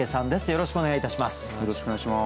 よろしくお願いします。